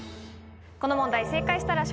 この問題正解したら。